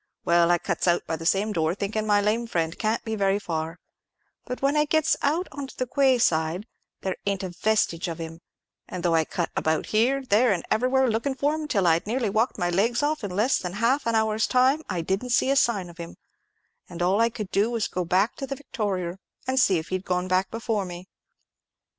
Well, I cuts out by the same door, thinkin' my lame friend can't be very far; but when I gets out on to the quay side, there ain't a vestige of him; and though I cut about here, there, and everywhere, lookin' for him, until I'd nearly walked my legs off in less than half an hour's time, I didn't see a sign of him, and all I could do was to go back to the Victorier, and see if he'd gone back before me.